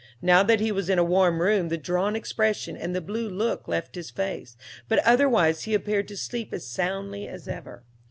Now that he was in a warm room the drawn expression and the blue look left his face, but otherwise he appeared to sleep as soundly as ever.